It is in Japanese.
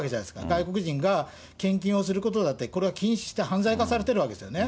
外国人が献金をすることだって、これは禁止して犯罪化されてるわけですよね。